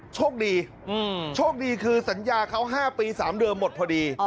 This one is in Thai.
โชคดีโชคดีคือสัญญาเขา๕ปี๓เดือนหมดพอดี